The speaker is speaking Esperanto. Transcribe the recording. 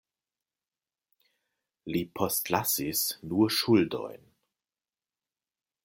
Li postlasis nur ŝuldojn.